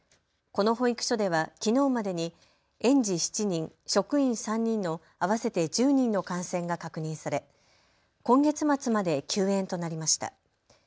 この保育所ではきのうまでに園児７人、職員３人の合わせて１０人の感染が確認され今月末まで休園となりました。